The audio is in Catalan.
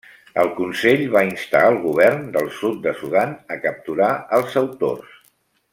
El Consell va instar al govern del sud de Sudan a capturar als autors.